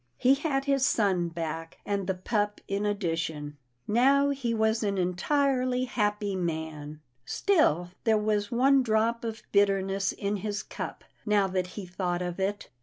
He had his son back, and the pup in addition. Now he was an entirely happy man. Still there was one drop of bitterness in his cup, now that he thought of it.